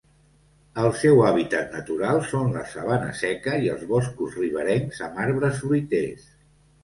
El seu hàbitat natural són la sabana seca i els boscos riberencs amb arbres fruiters.